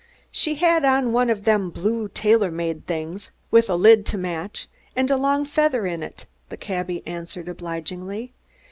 "She had on one of them blue tailor made things with a lid to match, and a long feather in it," the cabby answered obligingly.